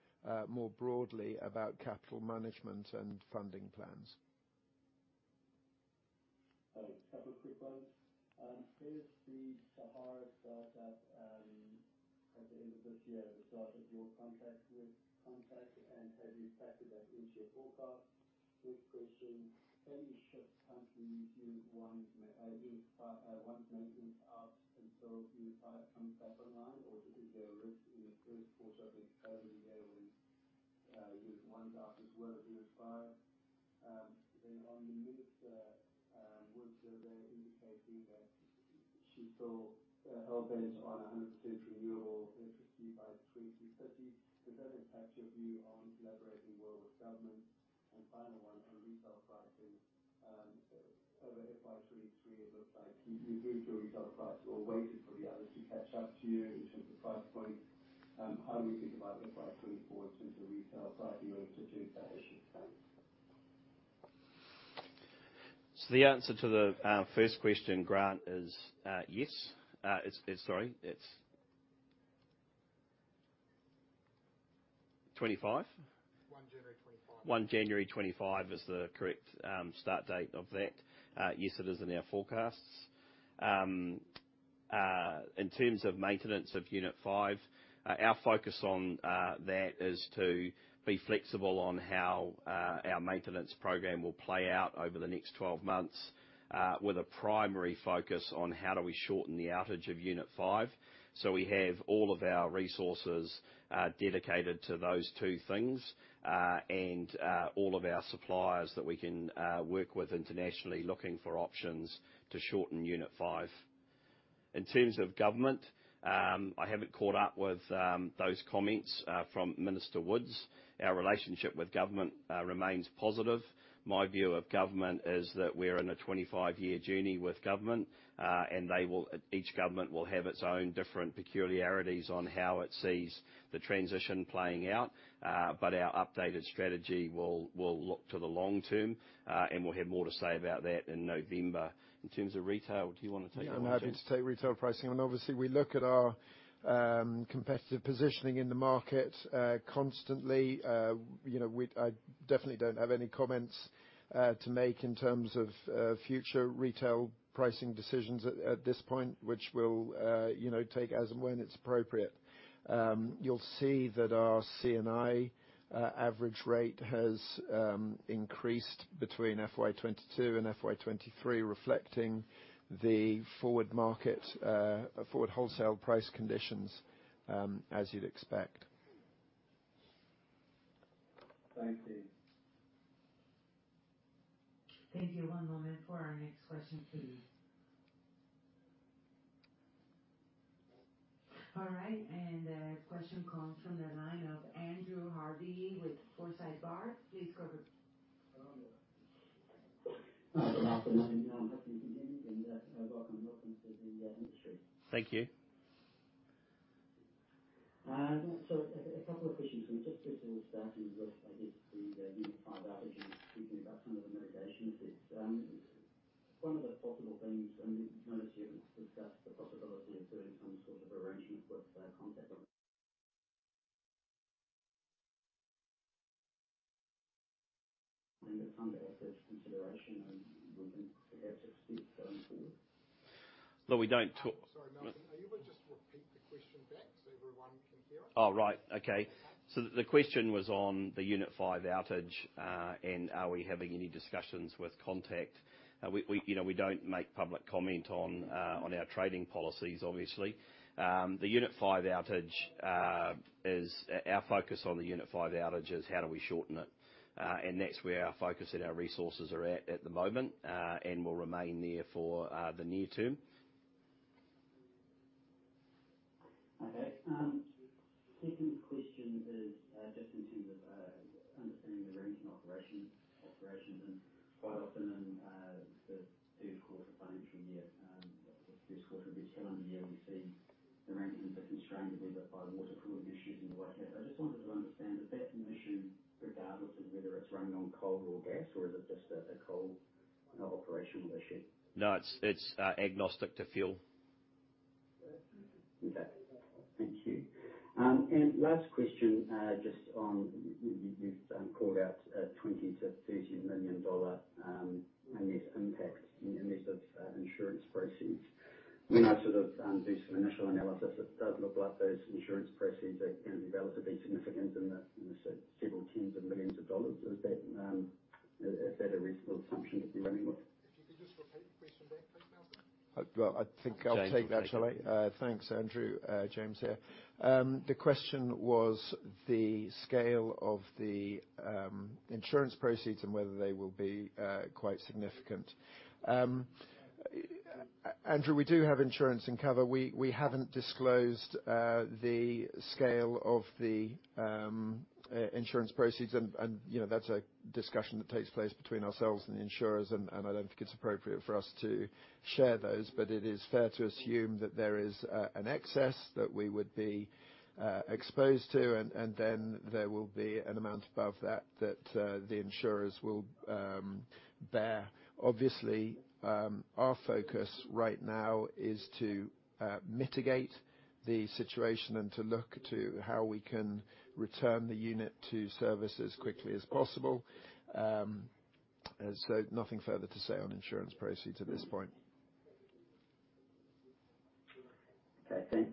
more broadly about capital management and funding plans. A couple of quick ones. Is the Tauhara start up at the end of this year, the start of your contract with Contact Energy, have you factored that into your forecast? Quick question, have you shut down the Unit 1, Unit 5, 1 maintenance out until Unit 5 comes back online, or is there a risk in the Q1 of early day with Unit 1 as well as Unit 5? On the Minister Woods survey, indicating that she saw her bench on an extension renewal, interestingly by 2030. Does that impact your view on collaborating well with government? Final one, on retail pricing, over FY23, it looks like you, you improved your retail price or waited for the others to catch up to you in terms of price point. How do you think about the price going forward in terms of retail pricing over the two years? Thanks. The answer to the first question, Grant, is yes. sorry, it's... 25? 1 January 25. January 25 is the correct start date of that. Yes, it is in our forecasts. In terms of maintenance of Unit 5, our focus on that is to be flexible on how our maintenance program will play out over the next 12 months, with a primary focus on how do we shorten the outage of Unit 5. We have all of our resources dedicated to those two things, and all of our suppliers that we can work with internationally, looking for options to shorten Unit 5. In terms of government, I haven't caught up with those comments from Minister Woods. Our relationship with government remains positive. My view of government is that we're in a 25-year journey with government. They will-- each government will have its own different peculiarities on how it sees the transition playing out. Our updated strategy will look to the long term. We'll have more to say about that in November. In terms of retail, do you want to take that, James? I'm happy to take retail pricing. Obviously, we look at our competitive positioning in the market constantly. You know, we, I definitely don't have any comments to make in terms of future retail pricing decisions at this point, which will, you know, take as and when it's appropriate. You'll see that our CNI average rate has increased between FY22 and FY23, reflecting the forward market, forward wholesale price conditions, as you'd expect. Thank you. Thank you. One moment for our next question, please. All right, the question comes from the line of Andrew Harvey-Green with Forsyth Barr. Please go ahead. Good afternoon. I'm happy to hear you, and welcome, welcome to the industry. Thank you. A couple of questions. Just to start and look, I guess, the Unit 5 outage and speaking about some of the mitigations. It, one of the possible things, and I noticed you discussed the possibility of doing some sort of arrangement with Contact. It's under active consideration, and we think perhaps it's going forward? Well, we don't talk- Sorry, Malcolm, are you able to just repeat the question back so everyone can hear it? Oh, right. Okay. The question was on the Unit 5 outage, and are we having any discussions with Contact? We, we, you know, we don't make public comment on our trading policies, obviously. The Unit 5 outage is... Our focus on the Unit 5 outage is how do we shorten it? That's where our focus and our resources are at, at the moment, and will remain there for the near term. Okay. Second question is, just in terms of understanding the Rankine operations. Quite often in the 3rd quarter financial year, 3rd quarter of each calendar year, we see the Rankine units are constrained a bit by water cooling issues and the like that. I just wanted to understand, is that an issue, regardless of whether it's running on coal or gas, or is it just a coal operational issue? No, it's, it's, agnostic to fuel. Okay. Thank you. Last question, just on you've called out 20 million-30 million dollar in this impact in midst of insurance proceeds. When I sort of, do some initial analysis, it does look like those insurance proceeds are going to be relatively significant in the, in the several NZD tens of millions. Is that, is, is that a reasonable assumption to be running with? If you could just repeat the question back, please, Malcolm. Well, I think I'll take that, shall I? James. Thanks, Andrew. James, here. The question was the scale of the insurance proceeds and whether they will be quite significant. Andrew, we do have insurance and cover. We haven't disclosed the scale of the insurance proceeds, and, you know, that's a discussion that takes place between ourselves and the insurers, and I don't think it's appropriate for us to share those. But it is fair to assume that there is an excess that we would be exposed to, and then there will be an amount above that, that the insurers will bear. Obviously, our focus right now is to mitigate the situation and to look to how we can return the unit to service as quickly as possible. Nothing further to say on insurance proceeds at this point. Okay, thanks.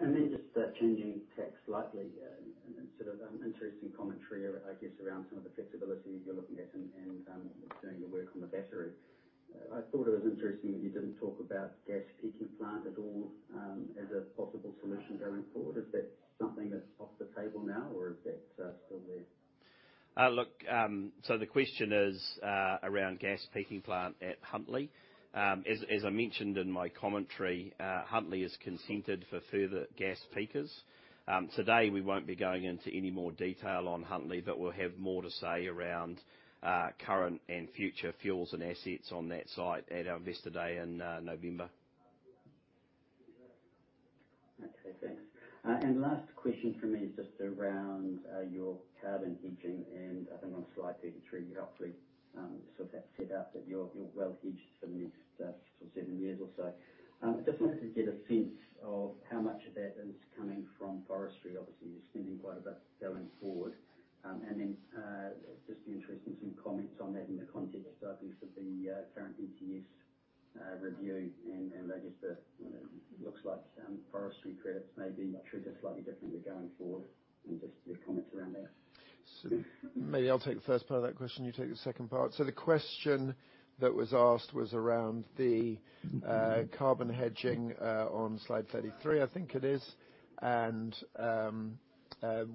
Then just, changing tack slightly, and sort of interesting commentary, I guess, around some of the flexibility you're looking at and, doing your work on the battery. I thought it was interesting that you didn't talk about gas peaking plant at all, as a possible solution going forward. Is that something that's off the table now, or is that, still there? Look, the question is around gas peaking plant at Huntly. As, as I mentioned in my commentary, Huntly is consented for further gas peakers. Today, we won't be going into any more detail on Huntly, but we'll have more to say around current and future fuels and assets on that site at our Investor Day in November. Okay, thanks. Last question from me is just around your carbon hedging, and I think on Slide 33, you've obviously sort of that set out that you're, you're well hedged for the next 6 or 7 years or so. Just wanted to get a sense of how much of that is coming from forestry. Obviously, you're spending quite a bit going forward. Just be interested in some comments on that in the context, obviously, of the current ETS review and register. It looks like forestry credits may be treated slightly differently going forward, and just your comments around that. Maybe I'll take the first part of that question, you take the second part. The question that was asked was around the carbon hedging on Slide 33, I think it is, and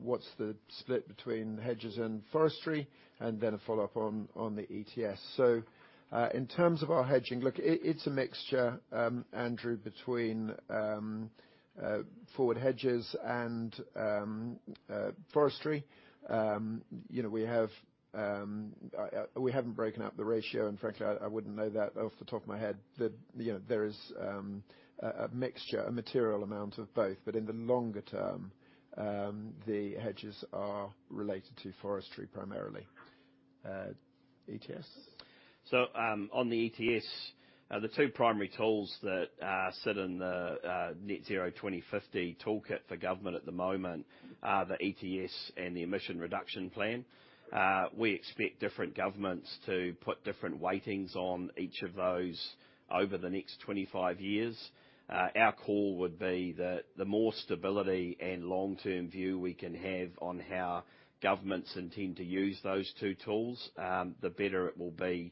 what's the split between hedges and forestry, and then a follow-up on the ETS. In terms of our hedging, look, it's a mixture, Andrew, between forward hedges and forestry. You know, we have, we haven't broken out the ratio, and frankly, I wouldn't know that off the top of my head. You know, there is a mixture, a material amount of both, but in the longer term, the hedges are related to forestry, primarily. ETS? On the ETS, the two primary tools that sit in the Net Zero 2050 toolkit for government at the moment are the ETS and the Emissions Reduction Plan. We expect different governments to put different weightings on each of those over the next 25 years. Our call would be that the more stability and long-term view we can have on how governments intend to use those two tools, the better it will be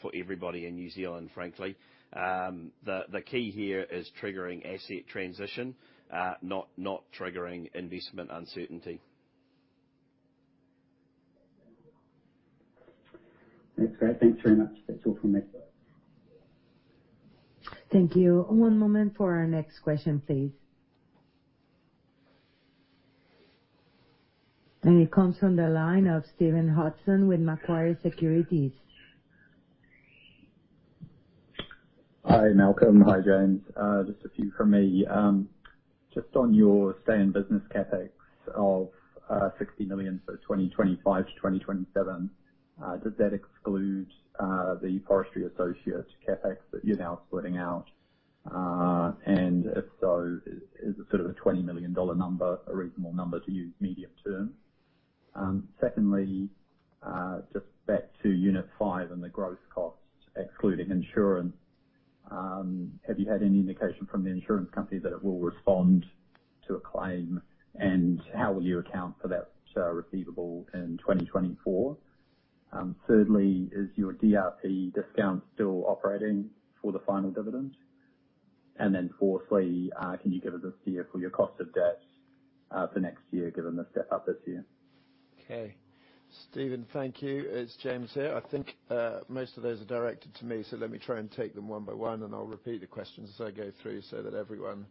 for everybody in New Zealand, frankly. The key here is triggering asset transition, not, not triggering investment uncertainty. That's great. Thanks very much. That's all from my side. Thank you. One moment for our next question, please. It comes from the line of Stephen Hudson with Macquarie Securities. Hi, Malcolm. Hi, James. Just a few from me. Just on your stay in business CapEx of 60 million for 2025 to 2027, does that exclude the forestry associate CapEx that you're now splitting out? If so, is it sort of a 20 million dollar number, a reasonable number to use medium term? Secondly, just back to Unit 5 and the growth costs, excluding insurance, have you had any indication from the insurance company that it will respond to a claim? How will you account for that receivable in 2024? Thirdly, is your DRP discount still operating for the final dividend? Fourthly, can you give us a view for your cost of debt for next year, given the step up this year? Okay. Stephen, thank you. It's James here. I think most of those are directed to me, so let me try and take them one by one, and I'll repeat the questions as I go through so that everyone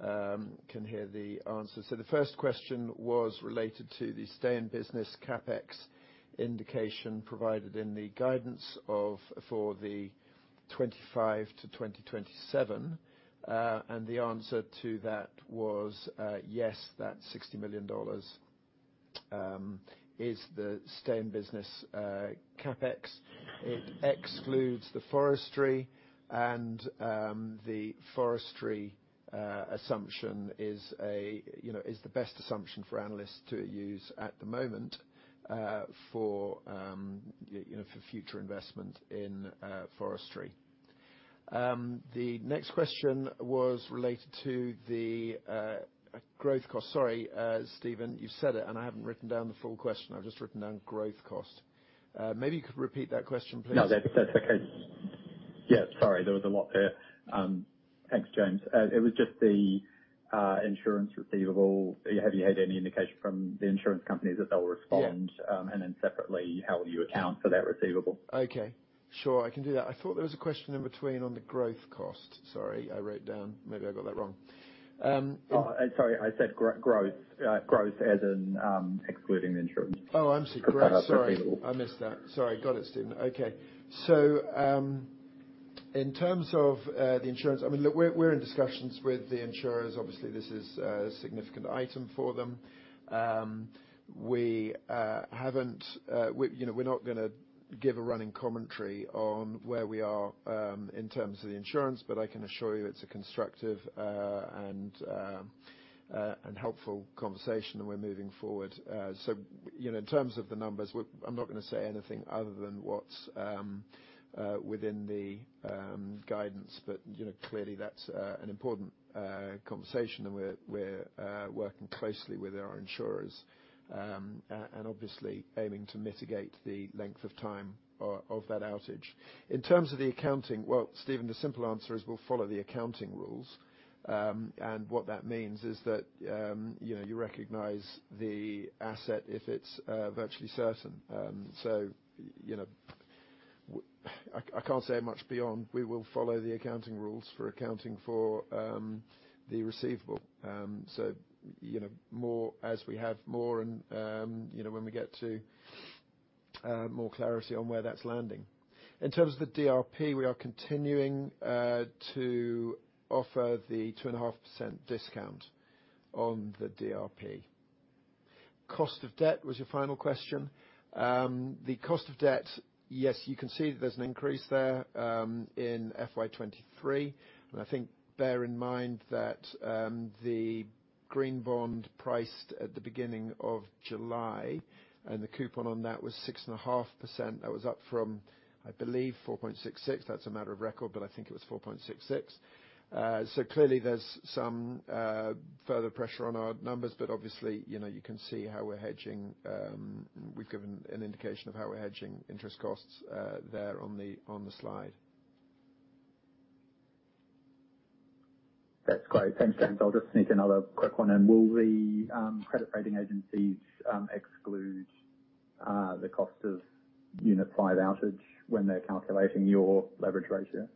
can hear the answers. The first question was related to the stay in business CapEx indication provided in the guidance of, for the 25 to 2027. The answer to that was yes, that 60 million dollars is the stay-in-business CapEx. It excludes the forestry and the forestry assumption is, you know, is the best assumption for analysts to use at the moment for, you know, for future investment in forestry. The next question was related to the growth cost. Sorry, Stephen, you said it, and I haven't written down the full question. I've just written down growth cost. Maybe you could repeat that question, please? No, that's okay. Yeah, sorry, there was a lot there. Thanks, James. It was just the insurance receivable. Have you had any indication from the insurance company that they'll respond? Yeah. Separately, how will you account for that receivable? Okay. Sure, I can do that. I thought there was a question in between on the growth cost. Sorry, I wrote down... Maybe I got that wrong. Oh, sorry, I said growth, growth as in, excluding the insurance. Oh, I see. Growth. Sorry. I missed that. Sorry. Got it, Stephen. Okay. In terms of the insurance, I mean, look, we're, we're in discussions with the insurers. Obviously, this is a significant item for them. We haven't, we, you know, we're not gonna give a running commentary on where we are in terms of the insurance, but I can assure you, it's a constructive and helpful conversation, and we're moving forward. You know, in terms of the numbers, I'm not gonna say anything other than what's within the guidance, but, you know, clearly that's an important conversation, and we're, we're working closely with our insurers. And obviously aiming to mitigate the length of time of that outage. In terms of the accounting, well, Stephen, the simple answer is we'll follow the accounting rules. What that means is that, you know, you recognize the asset if it's virtually certain. So, you know, I, I can't say much beyond, we will follow the accounting rules for accounting for the receivable. So, you know, more as we have more and, you know, when we get to more clarity on where that's landing. In terms of the DRP, we are continuing to offer the 2.5% discount on the DRP. Cost of debt was your final question. The cost of debt, yes, you can see that there's an increase there in FY23. I think bear in mind that the green bond priced at the beginning of July, and the coupon on that was 6.5%. That was up from, I believe, 4.66%. That's a matter of record, but I think it was 4.66%. Clearly there's some further pressure on our numbers, but obviously, you know, you can see how we're hedging. We've given an indication of how we're hedging interest costs, there on the slide. That's great. Thanks, James. I'll just sneak another quick one in. Will the credit rating agencies exclude the cost of Unit 5 outage when they're calculating your leverage ratio?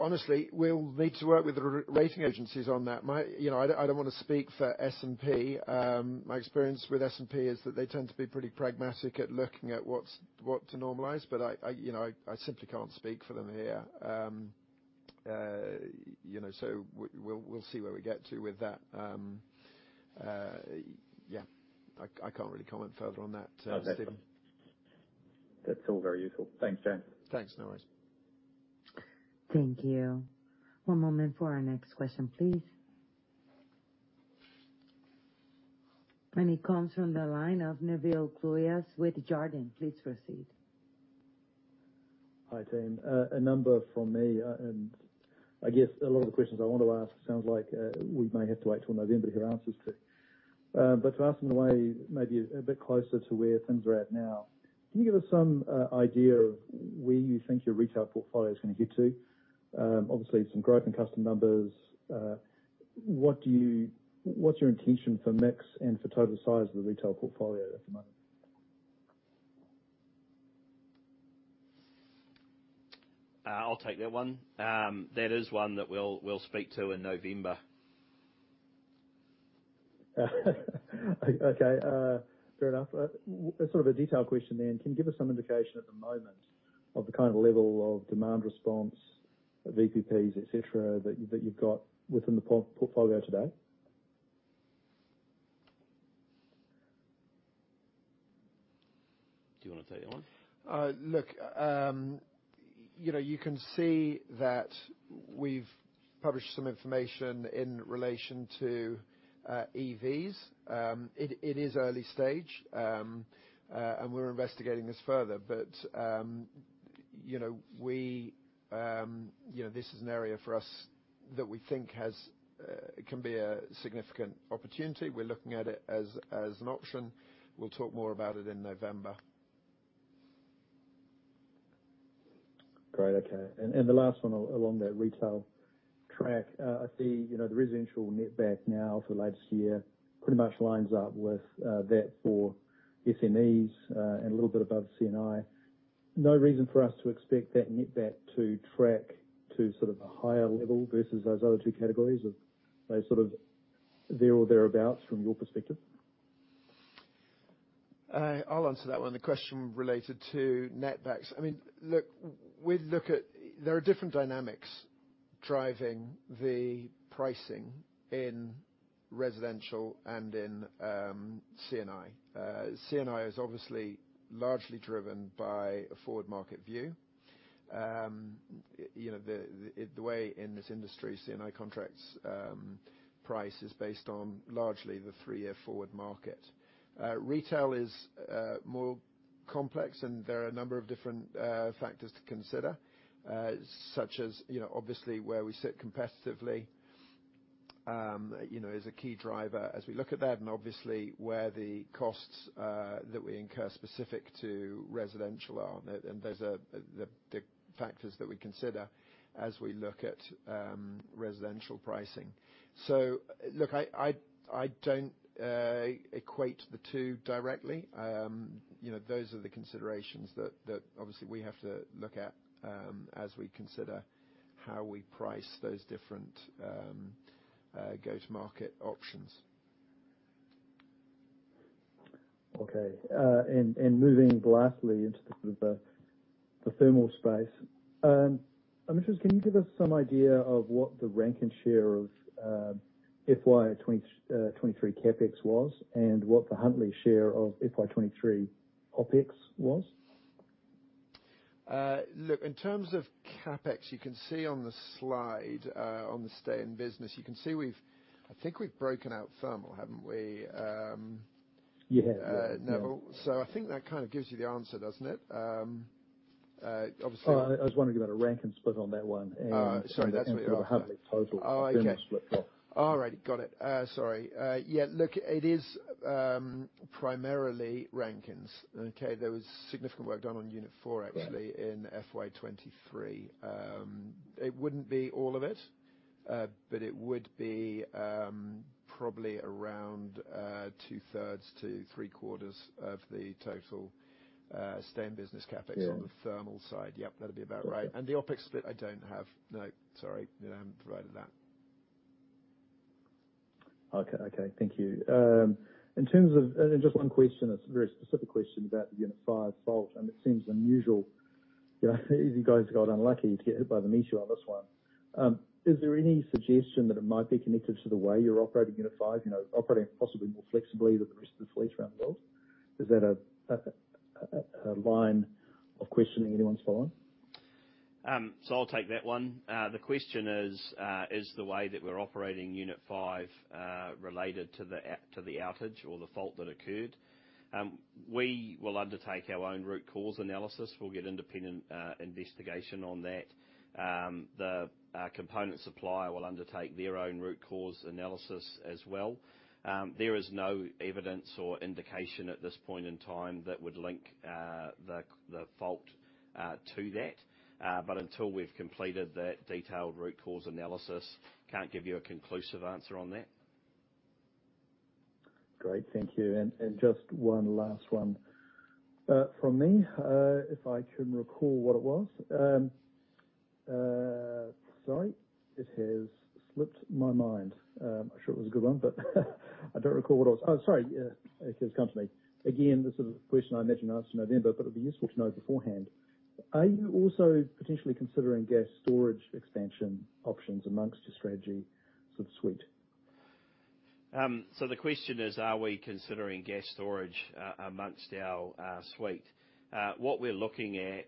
Honestly, we'll need to work with the rating agencies on that. You know, I don't, I don't want to speak for S&P. My experience with S&P is that they tend to be pretty pragmatic at looking at what's, what to normalize, but I, I, you know, I, I simply can't speak for them here. You know, so we'll, we'll see where we get to with that. Yeah, I, I can't really comment further on that, Stephen. That's all very useful. Thanks, James. Thanks, no worries. Thank you. One moment for our next question, please. It comes from the line of Neville Cluyas with Jarden. Please proceed. Hi, team. A number from me, I guess a lot of the questions I want to ask, sounds like we may have to wait till November to get answers to. To ask in a way, maybe a bit closer to where things are at now, can you give us some idea of where you think your retail portfolio is going to get to? Obviously, some growth in customer numbers. What's your intention for mix and for total size of the retail portfolio at the moment? I'll take that one. That is one that we'll, we'll speak to in November. Okay, fair enough. Sort of a detailed question then: Can you give us some indication at the moment of the kind of level of demand response, VPPs, et cetera, that you, that you've got within the portfolio today? Do you wanna take that one? Look, you know, you can see that we've published some information in relation to EVs. It, it is early stage, and we're investigating this further. You know, we, you know, this is an area for us that we think has, can be a significant opportunity. We're looking at it as, as an option. We'll talk more about it in November. Great. Okay. The last one along that retail track. I see, you know, the residential netback now for the latest year pretty much lines up with, that for SMEs, and a little bit above C&I. No reason for us to expect that netback to track to sort of a higher level versus those other two categories, of sort of there or thereabouts from your perspective? I'll answer that one. The question related to netbacks. I mean, look, we look at. There are different dynamics driving the pricing in residential and in C&I. C&I is obviously largely driven by a forward market view. You know, the, the, the way in this industry, C&I contracts, price is based on largely the three-year forward market. Retail is more complex, and there are a number of different factors to consider, such as, you know, obviously, where we sit competitively, you know, is a key driver as we look at that, and obviously, where the costs that we incur specific to residential are. Those are the factors that we consider as we look at residential pricing. Look, I don't equate the two directly. You know, those are the considerations that, that obviously we have to look at, as we consider how we price those different, go-to-market options. Okay. moving lastly into the sort of the, the thermal space. I'm interested, can you give us some idea of what the Rankine share of FY23 CapEx was, and what the Huntly share of FY23 OpEx was? Look, in terms of CapEx, you can see on the slide, on the stay in business, you can see we've I think we've broken out thermal, haven't we? Yeah, yeah. Neville. I think that kind of gives you the answer, doesn't it? obviously- I was wondering about a Rankine split on that one. sorry, that's what- The Huntly total- Oh, okay. Thermal split. All righty. Got it. Sorry. Yeah, look, it is primarily Rankines. Okay. There was significant work done on Unit 4, actually- Right... in FY23. It wouldn't be all of it, but it would be probably around two-thirds to three-quarters of the total, stay in business CapEx. Yeah on the thermal side. Yep, that'd be about right. Okay. The OpEx split, I don't have. No, sorry. We haven't provided that. Okay, okay. Thank you. In terms of... Just 1 question, it's a very specific question about the Unit 5 fault, and it seems unusual. You know, you guys got unlucky to get hit by the meteor on this 1. Is there any suggestion that it might be connected to the way you're operating Unit 5, you know, operating possibly more flexibly than the rest of the fleet around the world? Is that a, a, a line of questioning anyone's following? I'll take that one. The question is, is the way that we're operating Unit 5 related to the a- to the outage or the fault that occurred? We will undertake our own root cause analysis. We'll get independent investigation on that. The component supplier will undertake their own root cause analysis as well. There is no evidence or indication at this point in time that would link the fault to that. Until we've completed that detailed root cause analysis, can't give you a conclusive answer on that. Great. Thank you. And just one last one from me, if I can recall what it was. Sorry, it has slipped my mind. I'm sure it was a good one, but I don't recall what it was. Oh, sorry, it has come to me. Again, this is a question I imagine you'll answer in November, but it'll be useful to know beforehand. Are you also potentially considering gas storage expansion options amongst your strategy sort of suite? The question is, are we considering gas storage amongst our suite? What we're looking at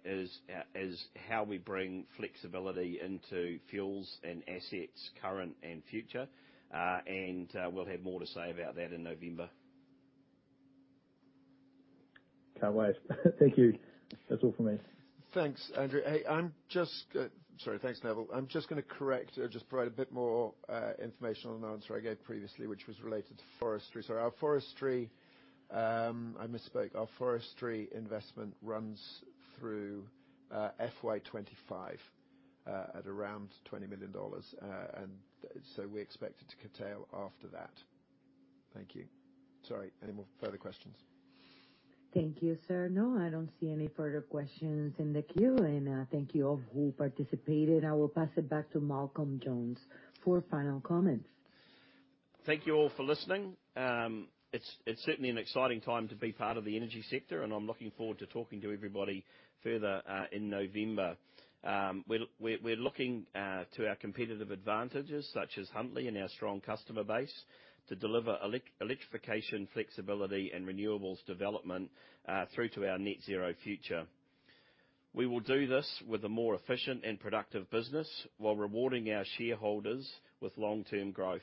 is how we bring flexibility into fuels and assets, current and future. We'll have more to say about that in November. Can't wait. Thank you. That's all for me. Thanks, Andrew. Hey, I'm just Sorry. Thanks, Neville. I'm just gonna correct or just provide a bit more information on an answer I gave previously, which was related to forestry. Our forestry, I misspoke, our forestry investment runs through FY25 at around 20 million dollars. We expect it to curtail after that. Thank you. Sorry, any more further questions? Thank you, sir. No, I don't see any further questions in the queue, and thank you all who participated. I will pass it back to Malcolm Johns for final comments. Thank you all for listening. It's certainly an exciting time to be part of the energy sector, and I'm looking forward to talking to everybody further in November. We're looking to our competitive advantages, such as Huntly and our strong customer base, to deliver electrification, flexibility, and renewables development through to our Net Zero future. We will do this with a more efficient and productive business while rewarding our shareholders with long-term growth.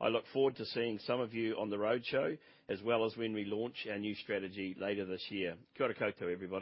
I look forward to seeing some of you on the roadshow, as well as when we launch our new strategy later this year. Kia ora koutou, everybody.